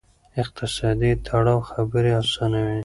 اقتصادي تړاو خبرې آسانوي.